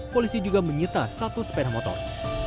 polisi juga menyita satu sepeda motor